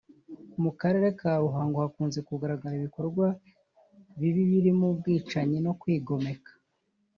mu karere ka Ruhango hakunze kugaragara ibikorwa bibi birimo ubwicanyi no kwigomeka